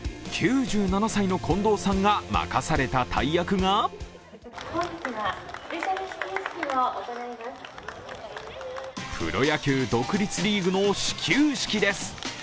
９７歳の近藤さんが任された大役がプロ野球、独立リーグの始球式です。